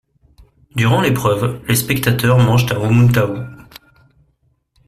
Durant l'épreuve, les spectateurs mangent un umu tahu.